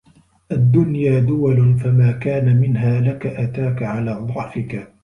الدُّنْيَا دُوَلٌ فَمَا كَانَ مِنْهَا لَك أَتَاك عَلَى ضَعْفِك